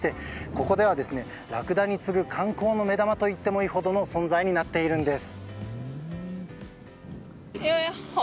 ここではラクダに次ぐ観光の目玉と言っていいほどの存在になっているんです。